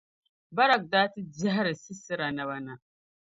Barak daa ti bɛhiri Sisɛra naba na.